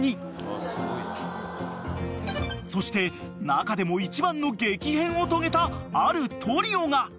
［そして中でも一番の激変を遂げたあるトリオが］